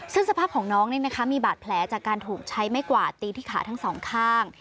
ซึ่งสภาพของน้องเนี่ยนะคะมีบาดแผลจากการถูกใช้ไม่กว่าตีที่ขาทั้ง๒ข้าง